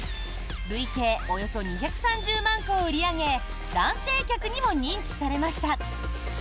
累計およそ２３０万個を売り上げ男性客にも認知されました！